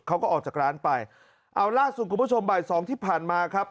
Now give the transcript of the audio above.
เขาก็ออกจากร้านไปเอาล่ะสุขุมผู้ชมใบ๒ที่ผ่านมาครับ